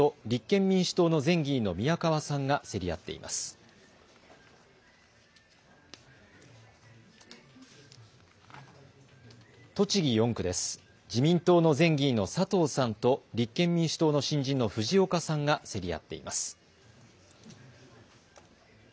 自民党の前議員の佐藤さんと立憲民主党の新人の藤岡さんが競り合っています。